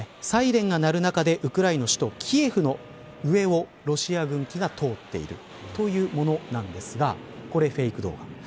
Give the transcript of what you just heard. サイレンが鳴る中でウクライナ首都、キエフの上をロシア軍機が通っているというものなんですがこれフェイク動画。